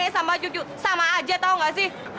sama aja tau gak sih